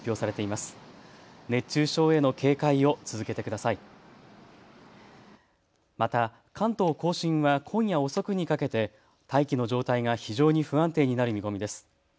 また関東甲信は今夜遅くにかけて大気の状態が非常に不安定になる見込みです。